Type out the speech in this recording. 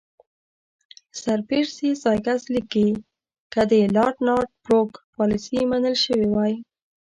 سر پرسي سایکس لیکي چې که د لارډ نارت بروک پالیسي منل شوې وای.